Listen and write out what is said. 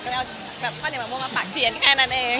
ก็เลยเอาแบบข้าวเหนียวมะม่วงมาปักเทียนแค่นั้นเอง